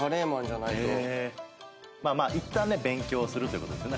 まあまあいったんね勉強するということですよね。